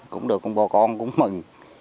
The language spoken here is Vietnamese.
cũng được con bò con cũng mừng